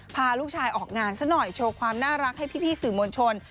พาลูกชายออกงานซะหน่อยโชว์ความน่ารักให้พี่สื่อมวลชน